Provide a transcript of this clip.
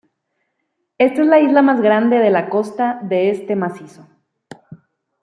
Esta es la isla más grande de la costa de este macizo.